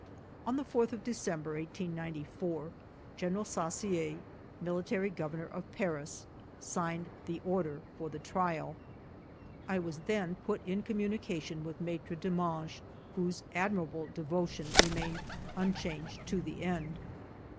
On the 4th of December, 1894, General Saussier, Military Governor of Paris, signed the order for the trial. I was then put in communication with Maitre Demange, whose admirable devotion remained unchanged to the end.